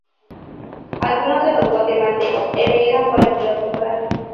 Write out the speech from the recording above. Algunos de los guatemaltecos emigran por empleo temporal.